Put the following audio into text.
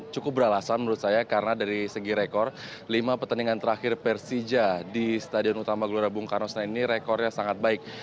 cukup beralasan menurut saya karena dari segi rekor lima pertandingan terakhir persija di stadion utama gelora bung karno ini rekornya sangat baik